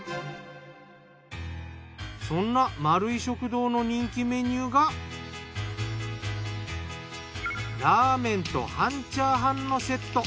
そんなまるい食堂の人気メニューがラーメンと半チャーハンのセット。